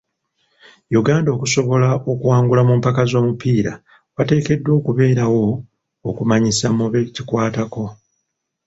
Uganda okusobola okuwangula mu mpaka z'omupiira wateekeddwa okubeerawo okumanyisibwa mu be kikwatako.